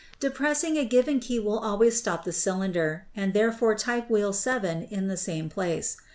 Depressing a given key will always stop the cylinder and therefore type wheel 7 in the same place.